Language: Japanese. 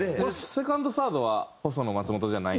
セカンドサードは細野松本じゃないんですか？